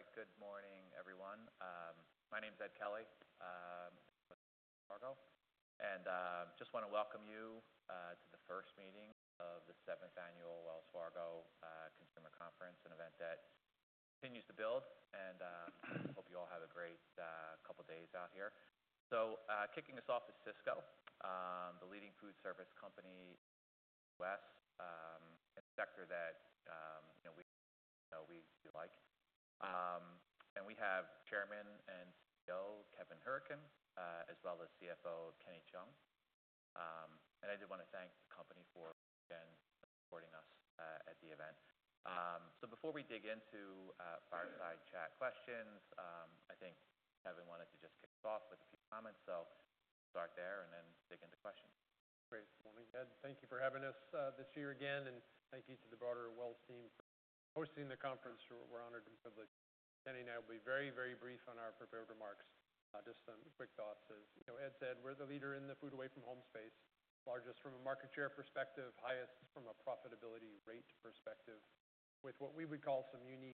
All right. Good morning, everyone. My name is Ed Kelly with Wells Fargo, and just want to welcome you to the first meeting of the seventh annual Wells Fargo Consumer Conference, an event that continues to build, and hope you all have a great couple days out here, so kicking us off is Sysco, the leading food service company in the U.S., a sector that you know we do like, and we have Chairman and CEO Kevin Hourican as well as CFO Kenny Cheung, and I did want to thank the company for again supporting us at the event, so before we dig into fireside chat questions, I think Kevin wanted to just kick us off with a few comments, so start there and then dig into questions. Good morning, Ed. Thank you for having us this year again, and thank you to the broader Wells team for hosting the conference. We're honored and privileged. Kenny and I will be very, very brief on our prepared remarks. Just some quick thoughts, as you know. Ed said, we're the leader in the food away from home space, largest from a market share perspective, highest from a profitability rate perspective, with what we would call some unique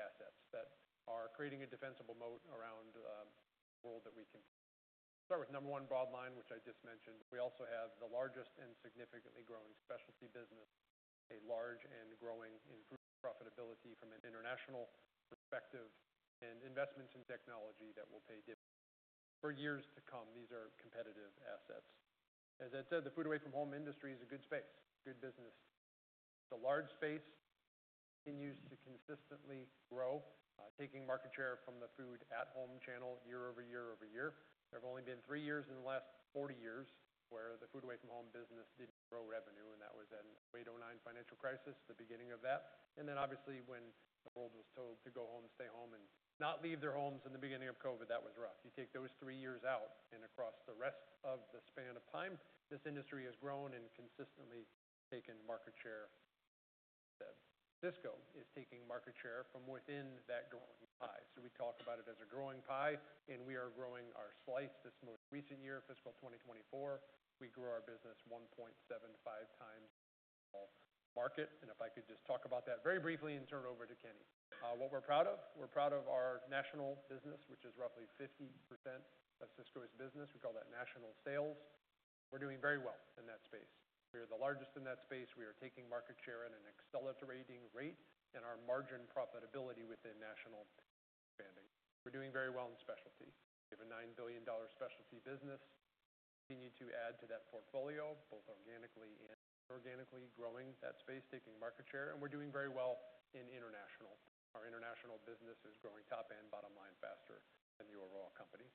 assets that are creating a defensible moat around world that we can start with number one, Broadline, which I just mentioned. We also have the largest and significantly growing specialty business, a large and growing improved profitability from an international perspective, and investments in technology that will pay dividends for years to come. These are competitive assets. As I said, the food away from home industry is a good space, good business. It's a large space, continues to consistently grow, taking market share from the food at home channel year over year over year. There have only been three years in the last forty years where the food away from home business didn't grow revenue, and that was in 2008, 2009 financial crisis, the beginning of that, and then obviously, when the world was told to go home and stay home and not leave their homes in the beginning of COVID, that was rough. You take those three years out, and across the rest of the span of time, this industry has grown and consistently taken market share. Sysco is taking market share from within that growing pie, so we talk about it as a growing pie, and we are growing our slice. This most recent year, fiscal 2024, we grew our business 1.75 times market. And if I could just talk about that very briefly and turn it over to Kenny. What we're proud of? We're proud of our national business, which is roughly 50% of Sysco's business. We call that national sales. We're doing very well in that space. We are the largest in that space. We are taking market share at an accelerating rate, and our margin profitability within national expanding. We're doing very well in specialty. We have a $9 billion specialty business. Continue to add to that portfolio, both organically and inorganically, growing that space, taking market share, and we're doing very well in international. Our international business is growing top and bottom line faster than the overall company.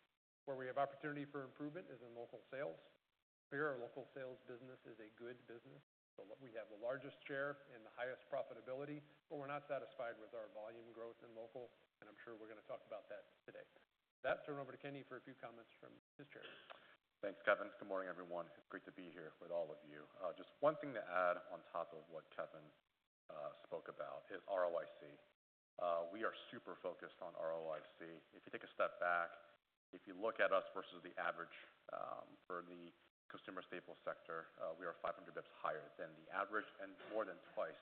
Where we have opportunity for improvement is in local sales. Where our local sales business is a good business. We have the largest share and the highest profitability, but we're not satisfied with our volume growth in local, and I'm sure we're going to talk about that today. With that, turn over to Kenny for a few comments from his chair. Thanks, Kevin. Good morning, everyone. It's great to be here with all of you. Just one thing to add on top of what Kevin spoke about is ROIC. We are super focused on ROIC. If you take a step back, if you look at us versus the average for the consumer staples sector, we are 500 basis points higher than the average and more than twice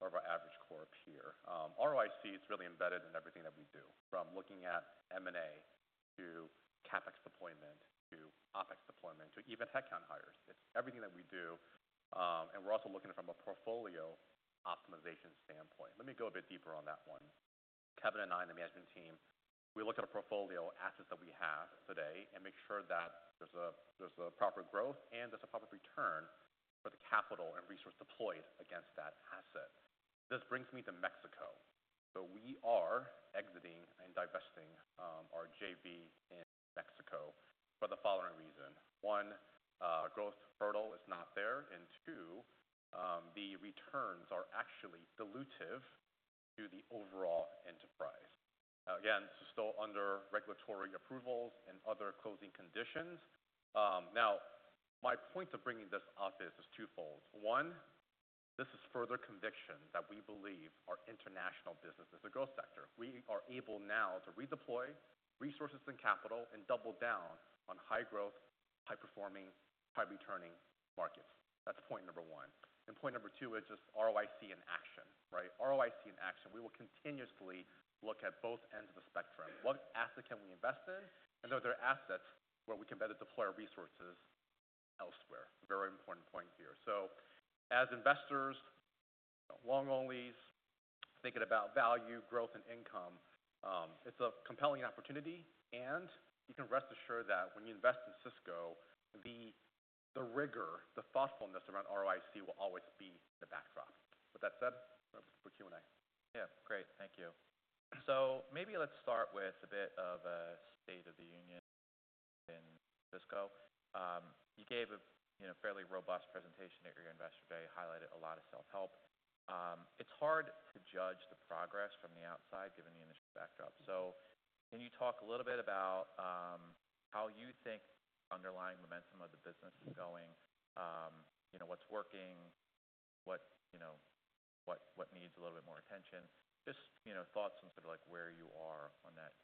of our average core peer. ROIC is really embedded in everything that we do, from looking at M&A to CapEx deployment, to OpEx deployment, to even headcount hires. It's everything that we do, and we're also looking at it from a portfolio optimization standpoint. Let me go a bit deeper on that one. Kevin and I, the management team, we look at our portfolio assets that we have today and make sure that there's a proper growth and there's a proper return for the capital and resource deployed against that asset. This brings me to Mexico. So we are exiting and divesting our JV in Mexico for the following reason: One, growth potential is not there, and two, the returns are actually dilutive to the overall enterprise. Again, this is still under regulatory approvals and other closing conditions. Now, my point of bringing this up is twofold. One, this is further conviction that we believe our international business is a growth sector. We are able now to redeploy resources and capital and double down on high growth, high-performing, high-returning markets. That's point number one. And point number two is just ROIC in action, right? ROIC in action. We will continuously look at both ends of the spectrum. What asset can we invest in? And are there assets where we can better deploy our resources elsewhere? Very important point here, so as investors, long onlys, thinking about value, growth, and income, it's a compelling opportunity, and you can rest assured that when you invest in Sysco, the rigor, the thoughtfulness around ROIC will always be the backdrop. With that said, the Q&A. Yeah, great. Thank you. So maybe let's start with a bit of a State of the Union in Sysco. You gave a you know fairly robust presentation at your Investor Day, highlighted a lot of self-help. It's hard to judge the progress from the outside, given the initial backdrop. So can you talk a little bit about how you think underlying momentum of the business is going? You know, what's working, what needs a little bit more attention? Just, you know, thoughts on sort of, like, where you are.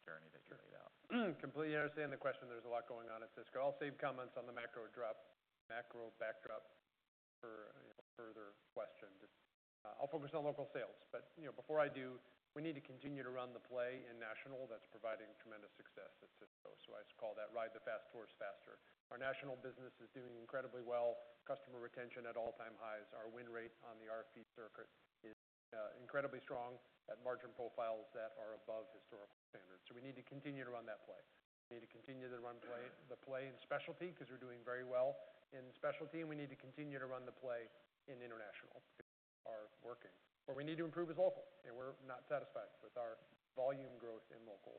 Sure, yeah. Completely understand the question. There's a lot going on at Sysco. I'll save comments on the macro drop, macro backdrop for, you know, further questions. I'll focus on local sales. But, you know, before I do, we need to continue to run the play in national that's providing tremendous success at Sysco. So I just call that ride the fast horse faster. Our national business is doing incredibly well, customer retention at all-time highs. Our win rate on the RFP circuit is incredibly strong at margin profiles that are above historical standards. So we need to continue to run that play. We need to continue to run the play in specialty, because we're doing very well in specialty, and we need to continue to run the play in international, are working. Where we need to improve is local, and we're not satisfied with our volume growth in local.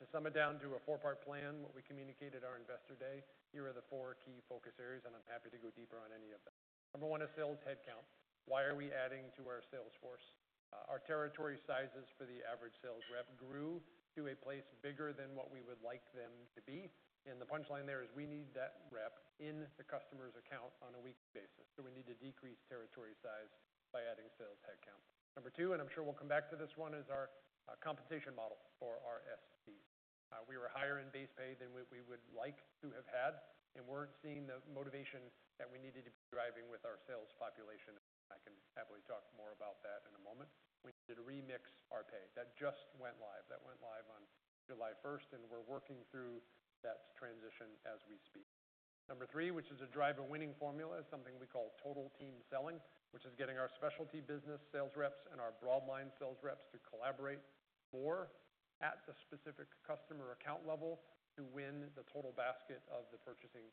To sum it down to a four-part plan, what we communicated our investor day, here are the four key focus areas, and I'm happy to go deeper on any of them. Number one is sales headcount. Why are we adding to our sales force? Our territory sizes for the average sales rep grew to a place bigger than what we would like them to be. And the punchline there is we need that rep in the customer's account on a weekly basis. So we need to decrease territory size by adding sales headcount. Number two, and I'm sure we'll come back to this one, is our compensation model for our SC. We were higher in base pay than we would like to have had, and we weren't seeing the motivation that we needed to be driving with our sales population. I can happily talk more about that in a moment. We did remix our pay. That just went live. That went live on July 1st, and we're working through that transition as we speak. Number three, which is a driver winning formula, is something we call total team selling, which is getting our specialty business sales reps and our broad line sales reps to collaborate more at the specific customer account level to win the total basket of the purchasing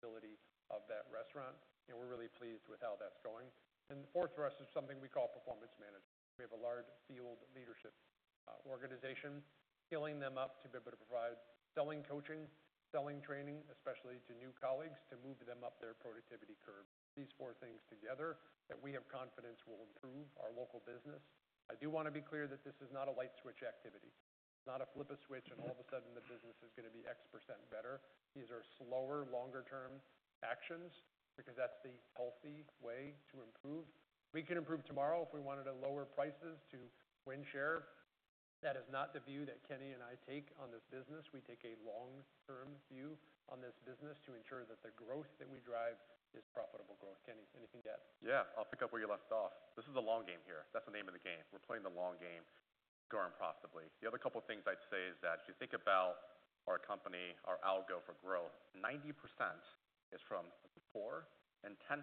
ability of that restaurant. And we're really pleased with how that's going. And the fourth for us is something we call performance management. We have a large field leadership organization, scaling them up to be able to provide selling, coaching, selling training, especially to new colleagues, to move them up their productivity curve. These four things together, that we have confidence will improve our local business. I do want to be clear that this is not a light switch activity. It's not a flip a switch, and all of a sudden, the business is going to be X% better. These are slower, longer-term actions because that's the healthy way to improve. We can improve tomorrow if we wanted to lower prices to win share. That is not the view that Kenny and I take on this business. We take a long-term view on this business to ensure that the growth that we drive is profitable growth. Kenny, anything to add? Yeah, I'll pick up where you left off. This is a long game here. That's the name of the game. We're playing the long game, growing possibly. The other couple of things I'd say is that if you think about our company, our algo for growth, 90% is from core and 10%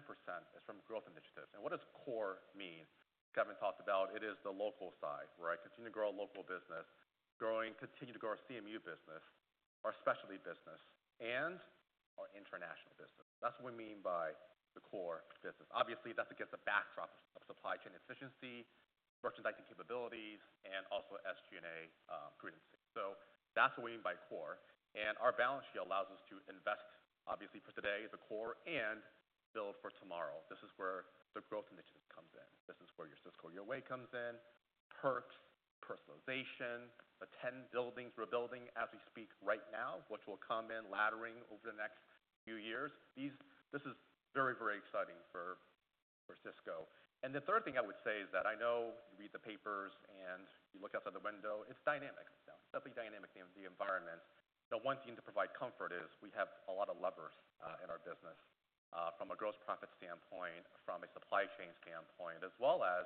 is from growth initiatives. And what does core mean? Kevin talked about it is the local side, right? Continue to grow our local business. Continue to grow our CMU business, our specialty business, and our international business. That's what we mean by the core business. Obviously, that's against the backdrop of supply chain efficiency, merchandising capabilities, and also SG&A prudence. So that's what we mean by core. And our balance sheet allows us to invest, obviously, for today, the core and build for tomorrow. This is where the growth initiative comes in. This is where your Sysco Your Way comes in, Perks, personalization, the 10 buildings we're building as we speak right now, which will come in laddering over the next few years. This is very, very exciting for Sysco. And the third thing I would say is that I know you read the papers and you look out of the window, it's dynamic. So definitely dynamic in the environment. The one thing to provide comfort is we have a lot of levers in our business from a gross profit standpoint, from a supply chain standpoint, as well as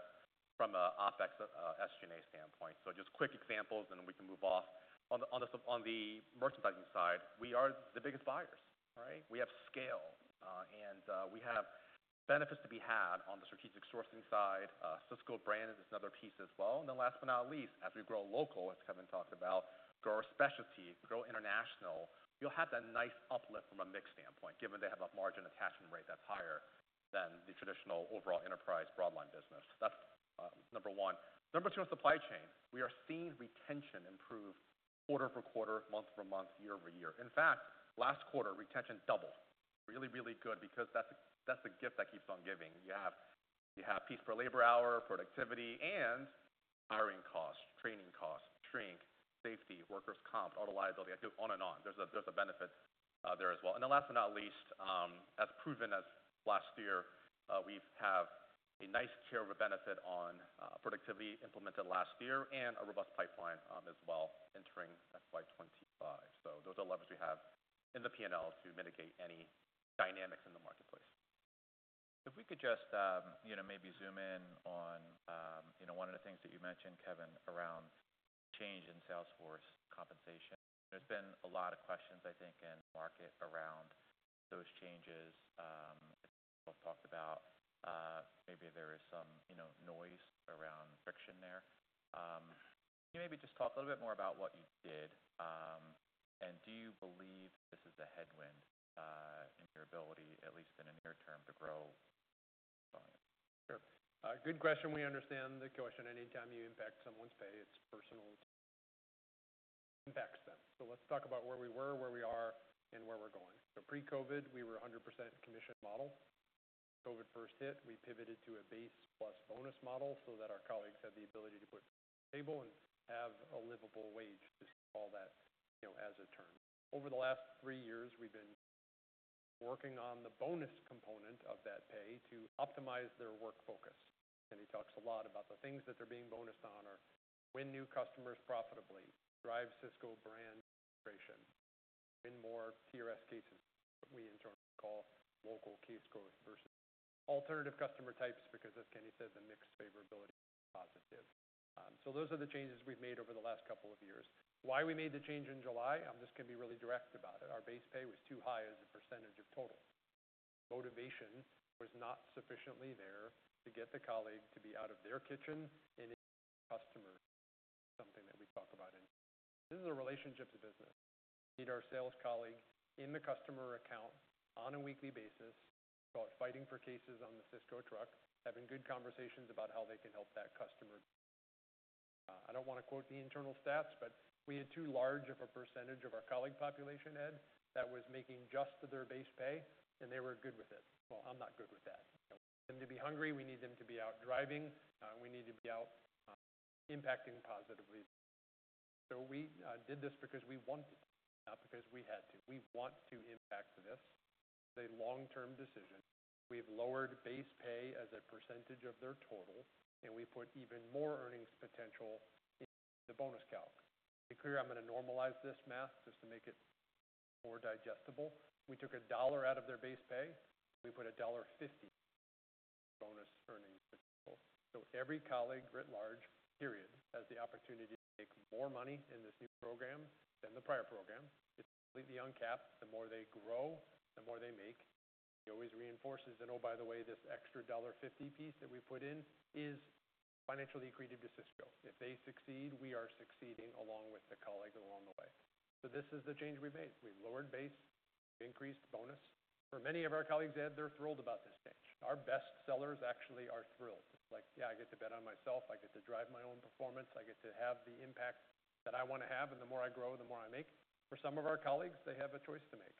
from an OpEx SG&A standpoint. So just quick examples, and then we can move on. On the merchandising side, we are the biggest buyers, right? We have scale, and we have benefits to be had on the strategic sourcing side. Sysco Brand is another piece as well and then last but not least, as we grow local, as Kevin talked about, grow our specialty, grow international, you'll have that nice uplift from a mix standpoint, given they have a margin attachment rate that's higher than the traditional overall enterprise Broadline business. That's number one. Number two, on supply chain, we are seeing retention improve quarter over quarter, month over month, year over year. In fact, last quarter, retention doubled. Really, really good because that's the gift that keeps on giving. You have pieces per labor hour, productivity and hiring costs, training costs, shrink, safety, workers' comp, auto liability. I could go on and on. There's a benefit there as well. And then last but not least, as proven as last year, we have a nice share of a benefit on productivity implemented last year and a robust pipeline, as well, entering FY twenty-five. So those are the levers we have in the P&L to mitigate any dynamics in the marketplace. If we could just, you know, maybe zoom in on, you know, one of the things that you mentioned, Kevin, around changes in sales force compensation. There's been a lot of questions, I think, in the market around those changes. As we've talked about, maybe there is some, you know, noise around friction there. Can you maybe just talk a little bit more about what you did, and do you believe this is a headwind, in your ability, at least in the near term, to grow? Sure. Good question. We understand the question. Anytime you impact someone's pay, it's personal, impacts them. So let's talk about where we were, where we are, and where we're going. So pre-COVID, we were 100% commission model. COVID first hit, we pivoted to a base plus bonus model so that our colleagues had the ability to put on the table and have a livable wage to see all that, you know, as it turned. Over the last three years, we've been- Working on the bonus component of that pay to optimize their work focus. And he talks a lot about the things that they're being bonused on are: win new customers profitably, drive Sysco brand integration, win more CRS cases, what we internally call local case growth versus alternative customer types, because as Kenny says, the mix favorability is positive. So those are the changes we've made over the last couple of years. Why we made the change in July? Just going to be really direct about it. Our base pay was too high as a percentage of total. Motivation was not sufficiently there to get the colleague to be out of their kitchen and into the customer, something that we talk about. This is a relationships business. We need our sales colleague in the customer account on a weekly basis, call it fighting for cases on the Sysco truck, having good conversations about how they can help that customer. I don't want to quote the internal stats, but we had too large of a percentage of our colleague population, Ed, that was making just to their base pay, and they were good with it. Well, I'm not good with that. We need them to be hungry, we need them to be out driving, we need to be out, impacting positively. So we did this because we wanted to, not because we had to. We want to impact this. It's a long-term decision. We've lowered base pay as a percentage of their total, and we put even more earnings potential in the bonus calc. To be clear, I'm going to normalize this math just to make it more digestible. We took $1 out of their base pay, we put $1.50 bonus earnings potential. So every colleague, writ large, period, has the opportunity to make more money in this new program than the prior program. It's completely uncapped. The more they grow, the more they make. He always reinforces that. Oh, by the way, this extra $1.50 piece that we put in is financially accretive to Sysco. If they succeed, we are succeeding along with the colleague along the way. So this is the change we made. We've lowered base, increased bonus. For many of our colleagues, Ed, they're thrilled about this change. Our best sellers actually are thrilled. Like, "Yeah, I get to bet on myself. I get to drive my own performance. I get to have the impact that I want to have, and the more I grow, the more I make." For some of our colleagues, they have a choice to make.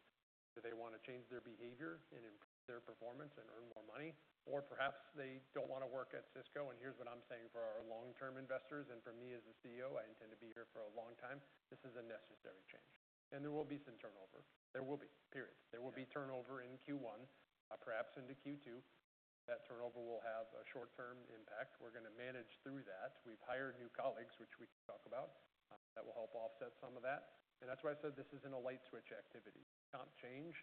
Do they want to change their behavior and improve their performance and earn more money? Or perhaps they don't want to work at Sysco? And here's what I'm saying for our long-term investors and for me as a CEO, I intend to be here for a long time. This is a necessary change, and there will be some turnover. There will be, period. There will be turnover in Q1, perhaps into Q2. That turnover will have a short-term impact. We're going to manage through that. We've hired new colleagues, which we can talk about, that will help offset some of that, and that's why I said this isn't a light switch activity. Comp change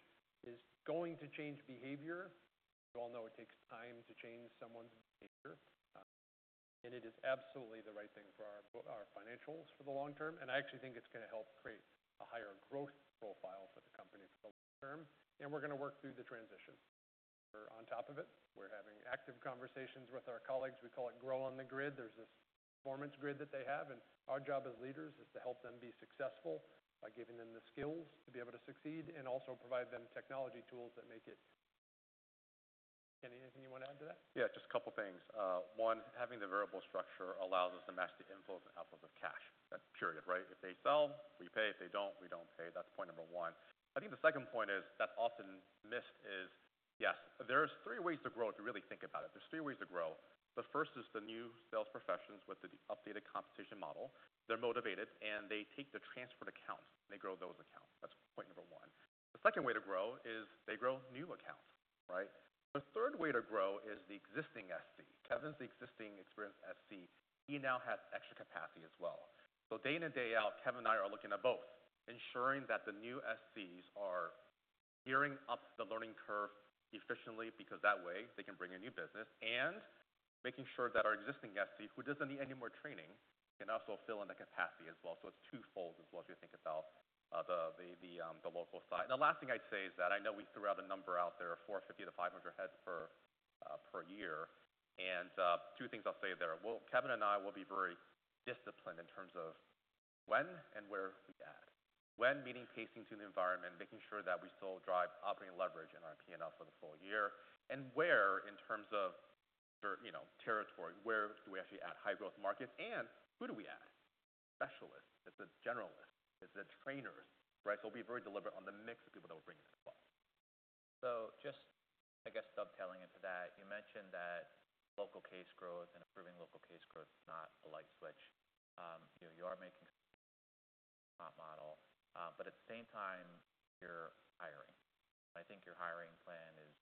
is going to change behavior. We all know it takes time to change someone's behavior, and it is absolutely the right thing for our financials for the long term, and I actually think it's going to help create a higher growth profile for the company for the long term, and we're going to work through the transition. We're on top of it. We're having active conversations with our colleagues. We call it Grow on the Grid. There's this performance grid that they have, and our job as leaders is to help them be successful by giving them the skills to be able to succeed, and also provide them technology tools that make it. Kenny, anything you want to add to that? Yeah, just a couple of things. One, having the variable structure allows us to match the inflows and outflows of cash. That's period, right? If they sell, we pay. If they don't, we don't pay. That's point number one. I think the second point is that's often missed is, yes, there's three ways to grow, if you really think about it. There's three ways to grow. The first is the new sales professions with the updated competition model. They're motivated, and they take the transferred accounts, and they grow those accounts. That's point number one. The second way to grow is they grow new accounts, right? The third way to grow is the existing SC. Kevin's the existing experienced SC. He now has extra capacity as well. Day in and day out, Kevin and I are looking at both, ensuring that the new SCs are gearing up the learning curve efficiently, because that way, they can bring in new business, and making sure that our existing SC, who doesn't need any more training, can also fill in the capacity as well. It's twofold as well, if you think about the local side. The last thing I'd say is that I know we threw out a number out there, 450-500 heads per year. Two things I'll say there. Kevin and I will be very disciplined in terms of when and where we add. When, meaning pacing to the environment, making sure that we still drive operating leverage in our PNL for the full year, and where, in terms of, you know, territory, where do we actually add high-growth markets, and who do we add? Specialists, it's the generalists, it's the trainers, right? So we'll be very deliberate on the mix of people that we're bringing in as well. So just, I guess, dovetailing into that, you mentioned that local case growth and improving local case growth is not a light switch. You know, you are making comp model, but at the same time, you're hiring. I think your hiring plan is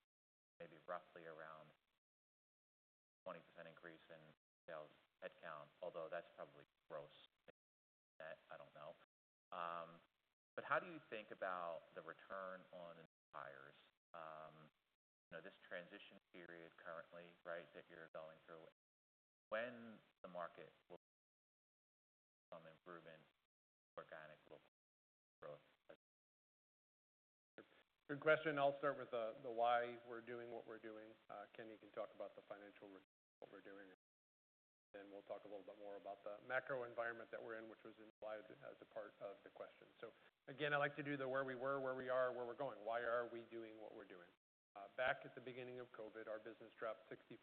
maybe roughly around 20% increase in sales headcount, although that's probably gross. Net, I don't know. But how do you think about the return on hires? You know, this transition period currently, right, that you're going through, when the market will see some improvement, organic local growth? Good question. I'll start with the why we're doing what we're doing. Kenny can talk about the financial return, what we're doing, and we'll talk a little bit more about the macro environment that we're in, which was implied as a part of the question. So again, I like to do the where we were, where we are, where we're going, why are we doing what we're doing? Back at the beginning of COVID, our business dropped 65%.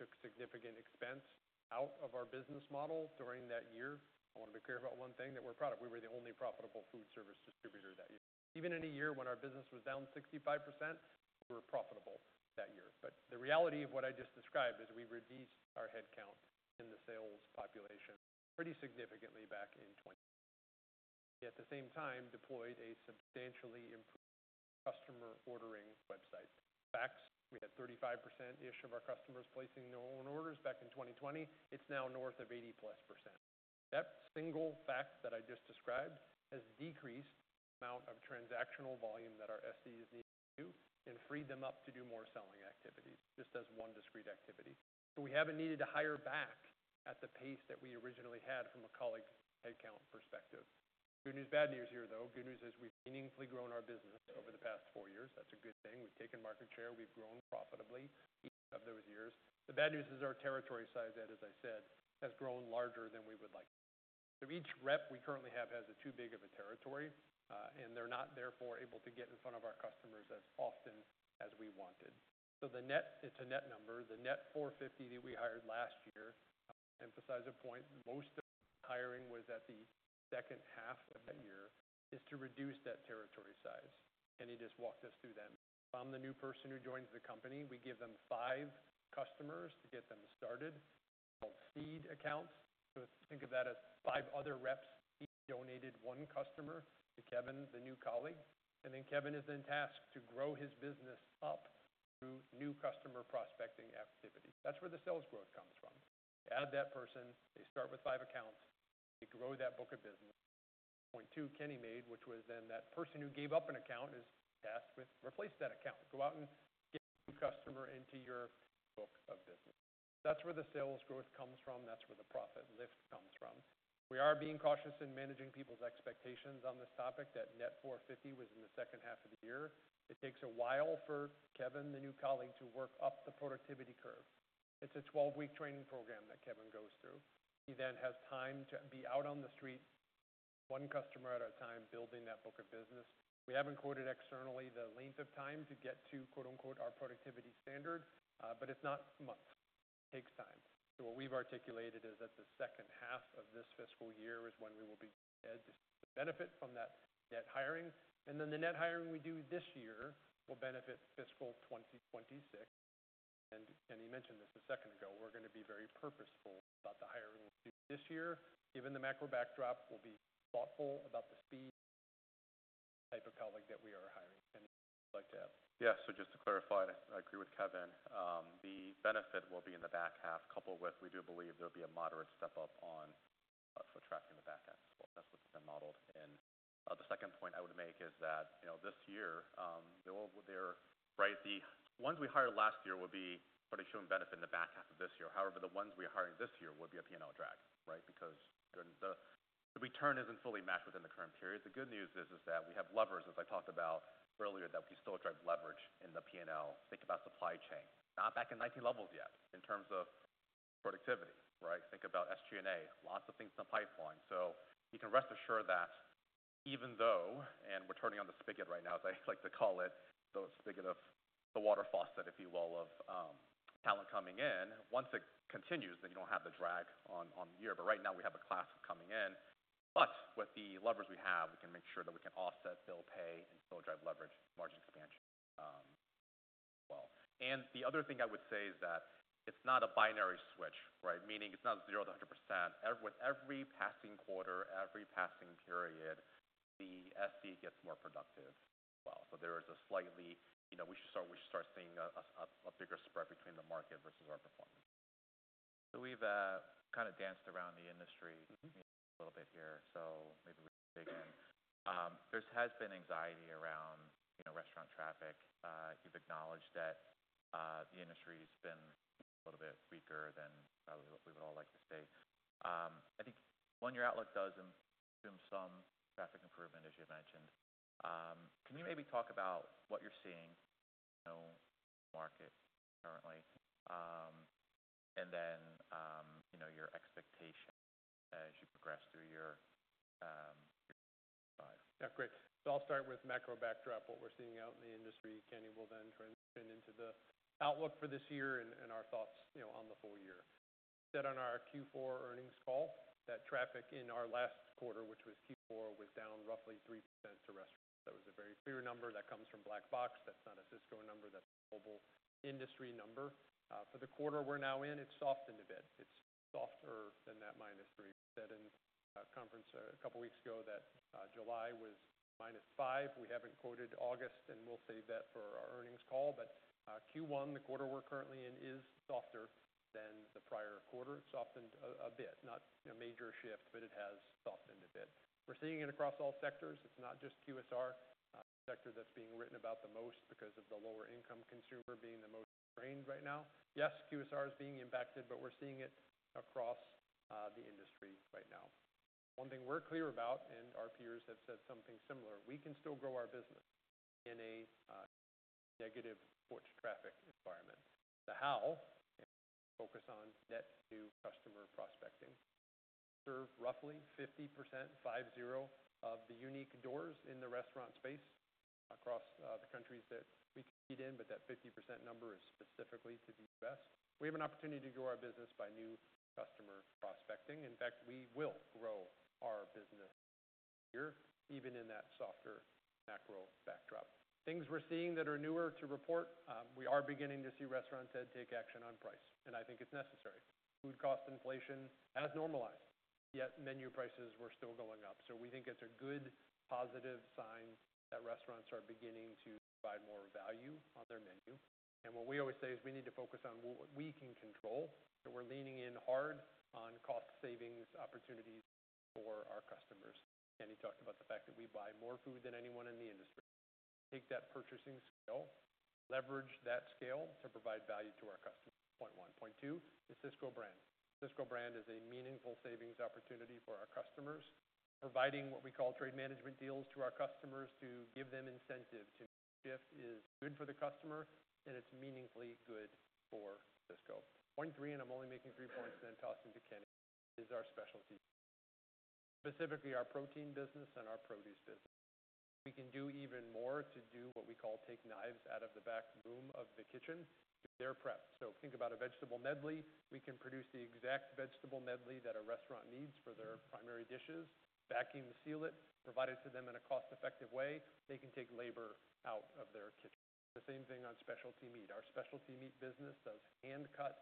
Took significant expense out of our business model during that year. I want to be clear about one thing, that we're profitable. We were the only profitable food service distributor that year. Even in a year when our business was down 65%, we were profitable that year. But the reality of what I just described is we reduced our headcount in the sales population pretty significantly back in 2020. At the same time, deployed a substantially improved customer ordering website. Fact is, we had 35%-ish of our customers placing their own orders back in 2020. It's now north of 80+%. That single fact that I just described has decreased the amount of transactional volume that our SCs need to do and freed them up to do more selling activities, just as one discrete activity. So we haven't needed to hire back at the pace that we originally had from a colleague headcount perspective. Good news, bad news here, though. Good news is we've meaningfully grown our business over the past four years. That's a good thing. We've taken market share. We've grown profitably each of those years. The bad news is our territory size that, as I said, has grown larger than we would like. So each rep we currently have has a too big of a territory, and they're not therefore able to get in front of our customers as often as we wanted. So the net, it's a net number. The net 450 that we hired last year, emphasize a point, most of the hiring was at the second half of that year, is to reduce that territory size. And he just walked us through that. From the new person who joins the company, we give them five customers to get them started, called seed accounts. So think of that as five other reps each donated one customer to Kevin, the new colleague, and then Kevin is then tasked to grow his business up through new customer prospecting activity. That's where the sales growth comes from. Add that person, they start with five accounts, they grow that book of business. Point two, Kenny made, which was then that person who gave up an account is tasked with replace that account. Go out and get a new customer into your book of business. That's where the sales growth comes from, that's where the profit lift comes from. We are being cautious in managing people's expectations on this topic. That net 450 was in the second half of the year. It takes a while for Kevin, the new colleague, to work up the productivity curve. It's a twelve-week training program that Kevin goes through. He then has time to be out on the street, one customer at a time, building that book of business. We haven't quoted externally the length of time to get to, quote, unquote, "our productivity standard," but it's not months. It takes time. So what we've articulated is that the second half of this fiscal year is when we will begin to see the benefit from that net hiring, and then the net hiring we do this year will benefit fiscal 2026. And Kenny mentioned this a second ago, we're gonna be very purposeful about the hiring we do this year. Given the macro backdrop, we'll be thoughtful about the speed and the type of colleague that we are hiring. Kenny, would you like to add? Yeah, so just to clarify, I agree with Kevin. The benefit will be in the back half, coupled with, we do believe there'll be a moderate step up on foot traffic in the back half. That's what's been modeled in. The second point I would make is that, you know, this year, there will be. Right, the ones we hired last year will be pretty showing benefit in the back half of this year. However, the ones we are hiring this year will be a P&L drag, right? Because the return isn't fully matched within the current period. The good news is that we have levers, as I talked about earlier, that we still drive leverage in the P&L. Think about supply chain, not back in 2019 levels yet, in terms of productivity, right? Think about SG&A. Lots of things in the pipeline. So you can rest assured that even though, and we're turning on the spigot right now, as I like to call it, the spigot of the water faucet, if you will, of talent coming in. Once it continues, then you don't have the drag on the year. But right now we have a class coming in. But with the levers we have, we can make sure that we can offset base pay and still drive leverage, margin expansion, as well. And the other thing I would say is that it's not a binary switch, right? Meaning it's not zero to 100%. With every passing quarter, every passing period, the SC gets more productive as well. So there is a slightly. You know, we should start seeing a bigger spread between the market versus our performance. So we've kind of danced around the industry. A little bit here, so maybe we can dig in. There has been anxiety around, you know, restaurant traffic. You've acknowledged that, the industry's been a little bit weaker than probably what we would all like to see. I think, one, your outlook does assume some traffic improvement, as you mentioned. Can you maybe talk about what you're seeing, you know, market currently, and then, you know, your expectation as you progress through your, year five? Yeah, great, so I'll start with macro backdrop, what we're seeing out in the industry. Kenny will then transition into the outlook for this year and our thoughts, you know, on the full year. Said on our Q4 earnings call, that traffic in our last quarter, which was Q4, was down roughly 3% to restaurants. That was a very clear number. That comes from Black Box. That's not a Sysco number. That's a global industry number. For the quarter we're now in, it's softened a bit. It's softer than that minus 3%. We said in a conference a couple of weeks ago that July was minus 5%. We haven't quoted August, and we'll save that for our earnings call, but Q1, the quarter we're currently in, is softer than the prior quarter. It's softened a bit. Not a major shift, but it has softened a bit. We're seeing it across all sectors. It's not just QSR sector that's being written about the most because of the lower-income consumer being the most strained right now. Yes, QSR is being impacted, but we're seeing it across the industry right now. One thing we're clear about, and our peers have said something similar, we can still grow our business in a negative foot traffic environment. The how, focus on net new customer prospecting. Serve roughly fifty percent, five zero, of the unique doors in the restaurant space across the countries that we compete in, but that fifty percent number is specifically to the U.S. We have an opportunity to grow our business by new customer prospecting. In fact, we will grow our business this year, even in that softer macro backdrop. Things we're seeing that are newer to report, we are beginning to see restaurants then take action on price, and I think it's necessary. Food cost inflation has normalized. Yet menu prices were still going up. So we think it's a good, positive sign that restaurants are beginning to provide more value on their menu. And what we always say is we need to focus on what we can control, and we're leaning in hard on cost savings opportunities for our customers. Kenny talked about the fact that we buy more food than anyone in the industry. Take that purchasing scale, leverage that scale to provide value to our customers, point one. Point two, the Sysco Brand. Sysco Brand is a meaningful savings opportunity for our customers, providing what we call trade management deals to our customers to give them incentive to shift. It is good for the customer, and it's meaningfully good for Sysco. Point three, and I'm only making three points then tossing to Kenny, is our specialty, specifically our protein business and our produce business. We can do even more to do what we call take knives out of the back room of the kitchen. They're prepped. So think about a vegetable medley. We can produce the exact vegetable medley that a restaurant needs for their primary dishes, vacuum seal it, provide it to them in a cost-effective way. They can take labor out of their kitchen. The same thing on specialty meat. Our specialty meat business does hand-cut,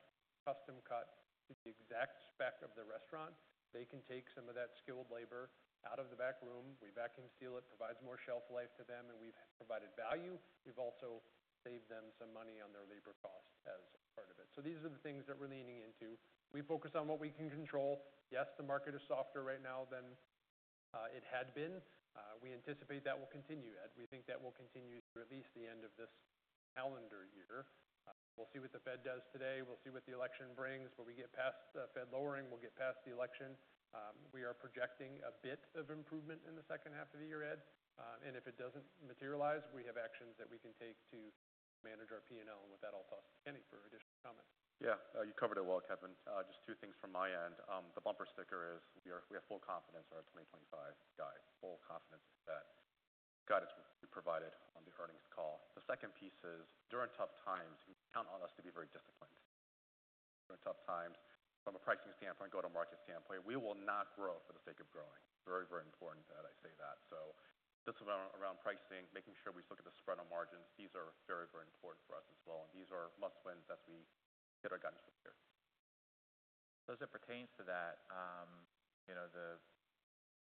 custom cut to the exact spec of the restaurant. They can take some of that skilled labor out of the back room. We vacuum seal it, provides more shelf life to them, and we've provided value. We've also saved them some money on their labor costs as part of it. So these are the things that we're leaning into. We focus on what we can control. Yes, the market is softer right now than it had been. We anticipate that will continue, Ed. We think that will continue to at least the end of this calendar year. We'll see what the Fed does today. We'll see what the election brings. When we get past the Fed lowering, we'll get past the election. We are projecting a bit of improvement in the second half of the year, Ed, and if it doesn't materialize, we have actions that we can take to manage our P&L. With that, I'll toss Kenny for additional comments. Yeah, you covered it well, Kevin. Just two things from my end. The bumper sticker is we have full confidence in our 2025 guide, full confidence in that guidance we provided on the earnings call. The second piece is, during tough times, you can count on us to be very disciplined. During tough times, from a pricing standpoint, go-to-market standpoint, we will not grow for the sake of growing. Very, very important that I say that. Just around pricing, making sure we look at the spread on margins, these are very, very important for us as well, and these are must-wins as we get our guidance prepared. As it pertains to that, you know, the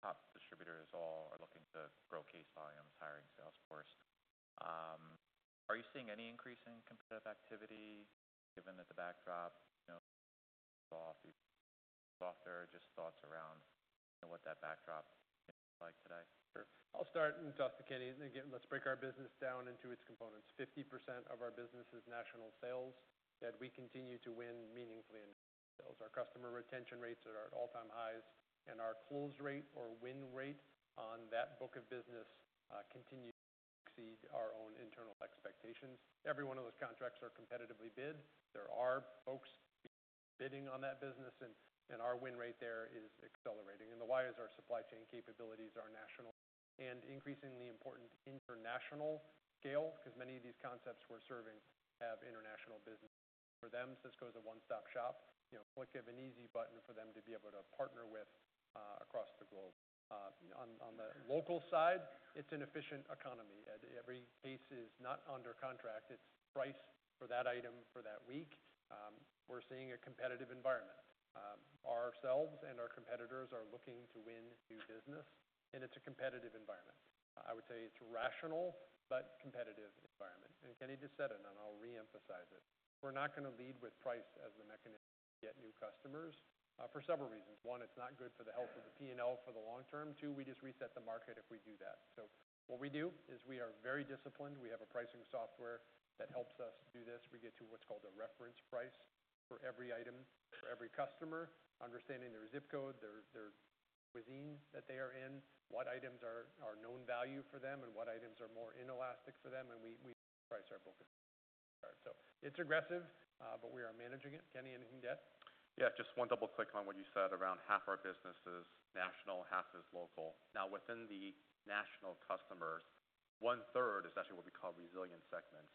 top distributors all are looking to grow case volumes, hiring sales force. Are you seeing any increase in competitive activity given that the backdrop, you know, softer? Just thoughts around what that backdrop is like today. Sure. I'll start and toss to Kenny. And again, let's break our business down into its components. 50% of our business is national sales, that we continue to win meaningfully in sales. Our customer retention rates are at all-time highs, and our close rate or win rate on that book of business continues to exceed our own internal expectations. Every one of those contracts are competitively bid. There are folks bidding on that business, and our win rate there is accelerating. And the why is our supply chain capabilities are national and increasingly important international scale, because many of these concepts we're serving have international business. For them, Sysco is a one-stop shop, you know, like you have an easy button for them to be able to partner with across the globe. On the local side, it's an efficient economy. Every case is not under contract. It's priced for that item for that week. We're seeing a competitive environment. Ourselves and our competitors are looking to win new business, and it's a competitive environment. I would say it's rational, but competitive environment. And Kenny just said it, and I'll reemphasize it. We're not going to lead with price as the mechanism to get new customers, for several reasons. One, it's not good for the health of the P&L for the long term. Two, we just reset the market if we do that. So what we do is we are very disciplined. We have a pricing software that helps us do this. We get to what's called a reference price for every item, for every customer, understanding their zip code, their cuisine that they are in, what items are known value for them, and what items are more inelastic for them, and we price our book. So it's aggressive, but we are managing it. Kenny, anything to add? Yeah, just one double click on what you said. Around half our business is national, half is local. Now, within the national customers, one-third is actually what we call resilient segments.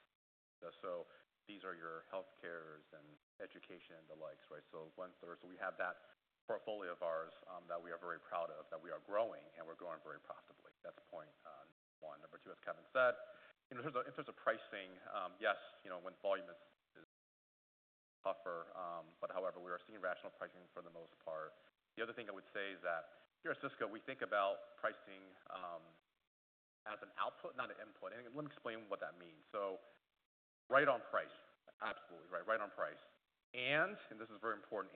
So these are your health cares and education and the likes, right? So one-third. So we have that portfolio of ours that we are very proud of, that we are growing, and we're growing very profitably. That's point one. Number two, as Kevin said, in terms of pricing, yes, you know, when volume is tougher, but however, we are seeing rational pricing for the most part. The other thing I would say is that here at Sysco, we think about pricing as an output, not an input. And let me explain what that means. So right on price. Absolutely, right, right on price. This is very important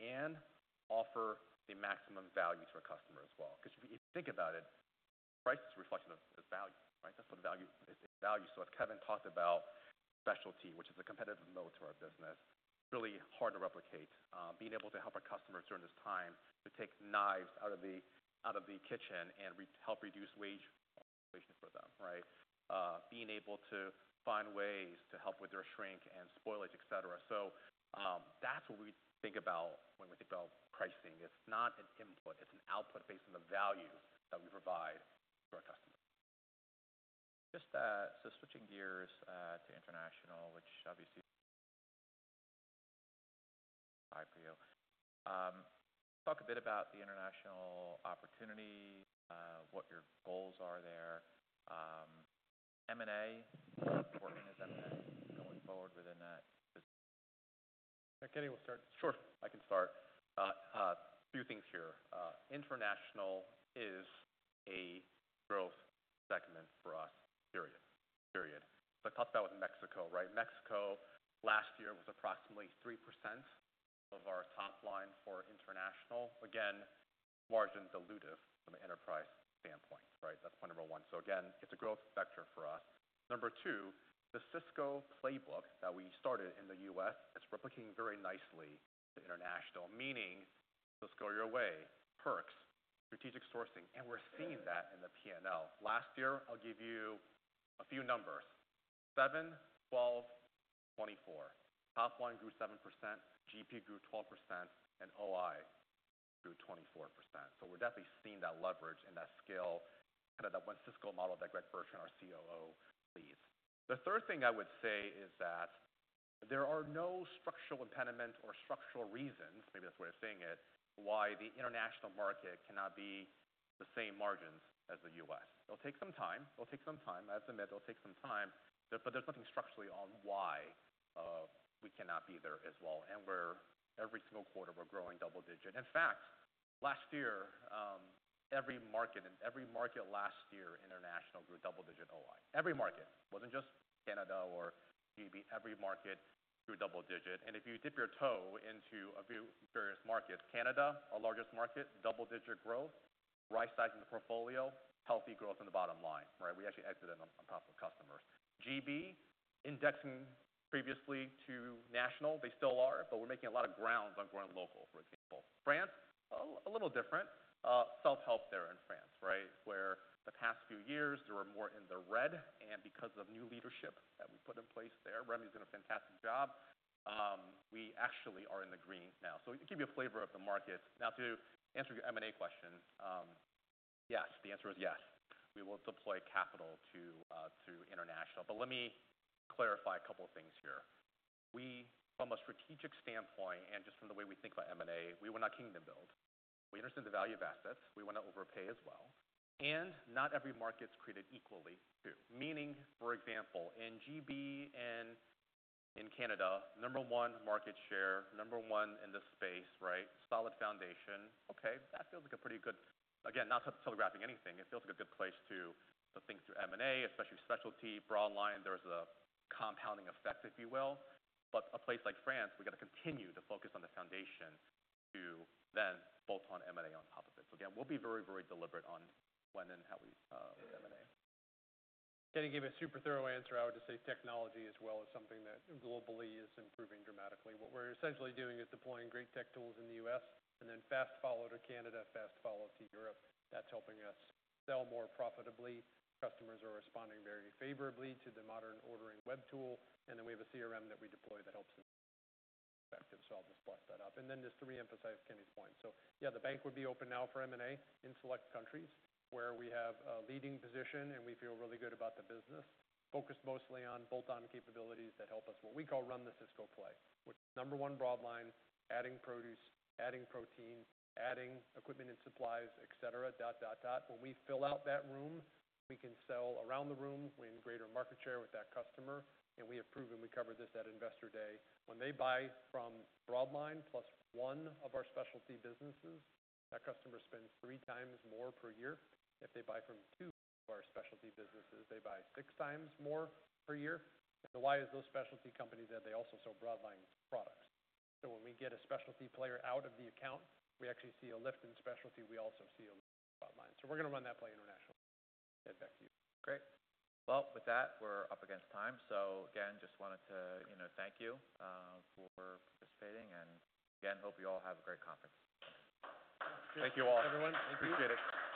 and offer the maximum value to our customer as well. Because if you think about it, price is a reflection of value, right? That's what value is, value. So as Kevin talked about specialty, which is a competitive moat to our business, really hard to replicate. Being able to help our customers during this time to take labor out of the kitchen and help reduce wage inflation for them, right? Being able to find ways to help with their shrink and spoilage, etc. So, that's what we think about when we think about pricing. It's not an input, it's an output based on the value that we provide to our customers. Just so switching gears to international, which obviously talk a bit about the international opportunity, what your goals are there, M&A and supporting M&A going forward within that? Kenny will start. Sure, I can start. A few things here. International is a growth segment for us, period. Period. So I thought that was Mexico, right? Mexico, last year, was approximately 3% of our top line for international. Again, margins dilutive from an enterprise standpoint, right? That's point number one. So again, it's a growth vector for us. Number two, the Sysco playbook that we started in the US, it's replicating very nicely to international. Meaning, Sysco Your Way, perks, strategic sourcing, and we're seeing that in the P&L. Last year, I'll give you a few numbers: 7, 12, 24. Top line grew 7%, GP grew 12%, and OI grew 24%. So we're definitely seeing that leverage and that scale, kind of that one Sysco model that Greg Bertrand, our COO, leads. The third thing I would say is that there are no structural impediments or structural reasons, maybe that's the way of saying it, why the international market cannot be the same margins as the US. It'll take some time. It'll take some time. I admit it'll take some time, but there's nothing structurally on why we cannot be there as well, and we're every single quarter, we're growing double digit. In fact, last year, every market, and every market last year, international grew double-digit OI. Every market, wasn't just Canada or GB. Every market grew double digit. And if you dip your toe into a few various markets, Canada, our largest market, double-digit growth, right sizing the portfolio, healthy growth in the bottom line, right? We actually exited on top of customers. GB, indexing previously to national. They still are, but we're making a lot of grounds on growing local, for example. France is a little different, self-help there in France, right? In the past few years, they were more in the red, and because of new leadership that we put in place there, Rémy's doing a fantastic job. We actually are in the green now. So we can give you a flavor of the market. Now, to answer your M&A question, yes, the answer is yes. We will deploy capital to international, but let me clarify a couple of things here. We, from a strategic standpoint and just from the way we think about M&A, we're not kingdom builders. We understand the value of assets, we don't want to overpay as well, and not every market's created equal too. Meaning, for example, in GB and in Canada, number one, market share, number one in the space, right? Solid foundation. Okay, that feels like a pretty good. Again, not telegraphing anything. It feels like a good place to think through M&A, especially specialty. Broadline, there's a compounding effect, if you will, but a place like France, we've got to continue to focus on the foundation to then bolt on M&A on top of it. So again, we'll be very, very deliberate on when and how we do M&A. Kenny gave a super thorough answer. I would just say technology as well is something that globally is improving dramatically. What we're essentially doing is deploying great tech tools in the US and then fast follow to Canada, fast follow to Europe. That's helping us sell more profitably. Customers are responding very favorably to the modern ordering web tool, and then we have a CRM that we deploy that helps them effectively, so I'll just plus that up. And then just to reemphasize Kenny's point: so yeah, the bank would be open now for M&A in select countries where we have a leading position and we feel really good about the business, focused mostly on bolt-on capabilities that help us, what we call Run the Sysco Play, which is number one Broadline, adding produce, adding protein, adding equipment and supplies, et cetera, dot, dot, dot. When we fill out that room, we can sell around the room, win greater market share with that customer, and we have proven we covered this at Investor Day. When they buy from Broadline, plus one of our specialty businesses, that customer spends three times more per year. If they buy from two of our specialty businesses, they buy six times more per year. And the why is those specialty companies that they also sell Broadline products. So when we get a specialty player out of the account, we actually see a lift in specialty. We also see a lift in Broadline. So we're gonna run that play internationally. Get back to you. Great. Well, with that, we're up against time. So again, just wanted to, you know, thank you for participating, and again, hope you all have a great conference. Thank you, all. Everyone, thank you. Appreciate it.